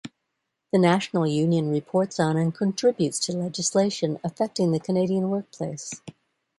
The National Union reports on and contributes to legislation affecting the Canadian workplace.